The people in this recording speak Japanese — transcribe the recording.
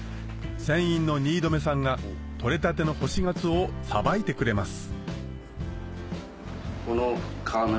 船員の新留さんが取れたてのホシガツオをさばいてくれます